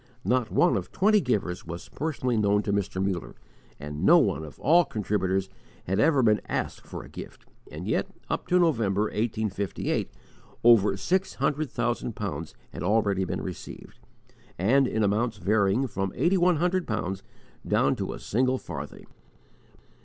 Not one of twenty givers was personally known to Mr. Muller, and no one of all contributors had ever been asked for a gift, and yet, up to November, 1858, over six hundred thousand pounds had already been received, and in amounts varying from eighty one hundred pounds down to a single farthing.